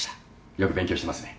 よく勉強してますね。